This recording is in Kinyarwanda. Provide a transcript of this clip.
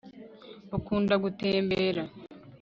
ukunda gutembera